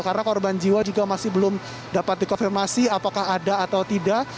karena korban jiwa juga masih belum dapat dikonfirmasi apakah ada atau tidak